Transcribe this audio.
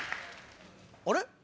あれ？